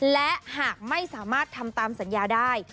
และหากไม่สามารถทำตามสัญญาได้